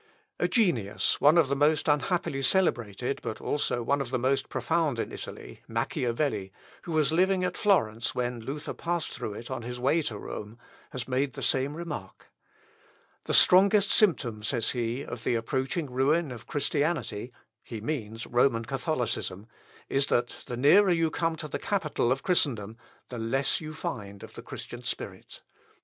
A genius, one of the most unhappily celebrated, but also one of the most profound of Italy, Machiavelli, who was living at Florence when Luther passed through it on his way to Rome, has made the same remark: "The strongest symptom," says he, "of the approaching ruin of Christianity, (he means Roman Catholicism,) is, that the nearer you come to the capital of Christendom the less you find of the Christian spirit.